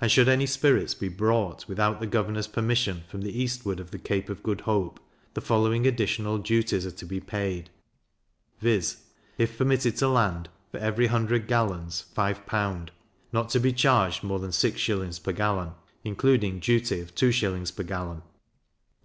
And should any spirits be brought, without the governor's permission, from the eastward of the Cape of Good Hope, the following additional duties are to be paid; viz. If permitted to be landed, for every 100 gallons, 5L.; not to be charged more than 6s. per gallon, including duty of 2s. per gallon; 5L.